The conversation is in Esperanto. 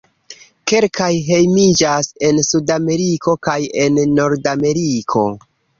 Kelkaj hejmiĝas en Sudameriko kaj en Nordafriko.